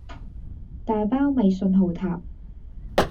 大包米訊號塔